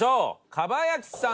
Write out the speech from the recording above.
蒲焼さん